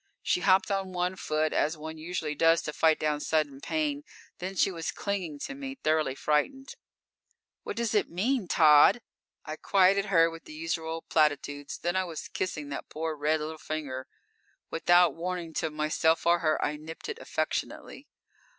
She hopped on one foot, as one usually does to fight down sudden pain. Then she was clinging to me, thoroughly frightened._ "What does it mean, Tod?" _I quieted her with the usual platitudes. Then I was kissing that poor, red little finger. Without warning to myself or her, I nipped it affectionately.